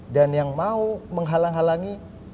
dan yang mau menghalang halangi